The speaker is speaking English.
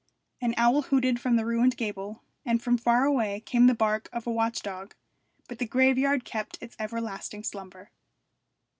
An owl hooted from the ruined gable, and from far away came the bark of a watch dog, but the graveyard kept its everlasting slumber.